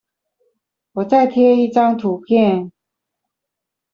我再貼一張圖片